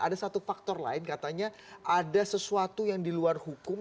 ada satu faktor lain katanya ada sesuatu yang di luar hukum